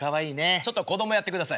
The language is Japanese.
ちょっと子供やってください。